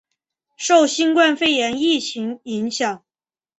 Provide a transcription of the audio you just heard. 受新冠肺炎疫情影响